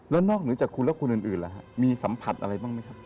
แล้วนอกจากคุณและคุณอื่นมีสัมผัสอะไรบ้างมั้ยค่ะ